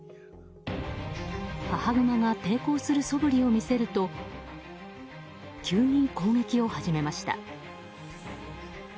母グマが抵抗する素振りを見せると急に攻撃を始めました。